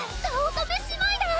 乙女姉妹だ！